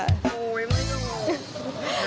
โอ๊ยไม่รู้